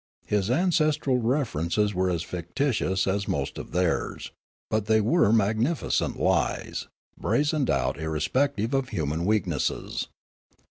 His ancestral references were as fictitious as most of theirs ; but they were magnificent lies, brazened out irrespective of human weaknesses.